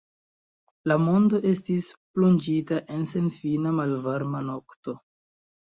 La mondo estis plonĝita en senfina malvarma nokto.